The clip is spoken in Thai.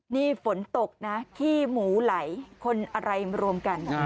นี่ฝนตกนะขี้หมูไหลคนอะไรมารวมกัน